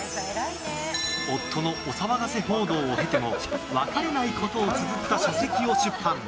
夫のお騒がせ報道を経ても別れないことをつづった書籍を出版。